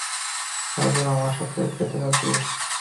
তারপর আমাদের সাথে যেতে পারবি।